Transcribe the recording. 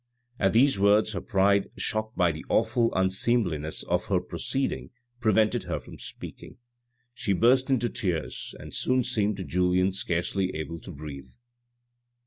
At these words her pride, shocked by the awful unseem liness of her proceeding, prevented her from speaking. She burst into tears, and soon seemed to Julien scarcely able to breathe.